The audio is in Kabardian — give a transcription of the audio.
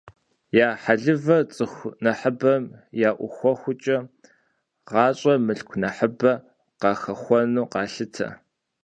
Я хьэлывэр цӀыху нэхъыбэм яӀухуэхукӀэ, гъэщӀэм мылъку нэхъыбэ къахэхъуэну къалъытэ.